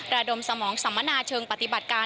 ระดมสมองสัมมนาเชิงปฏิบัติการ